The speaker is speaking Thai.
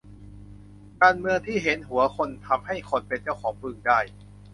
การเมืองที่เห็นหัวคนทำให้คนเป็นเจ้าของบึงได้